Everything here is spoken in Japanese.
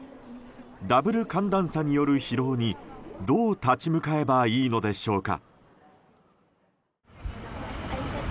ダブル寒暖差による疲労にどう立ち向かえばいいのでしょうか。